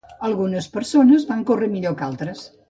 Alguna persones van córrer millor que altres.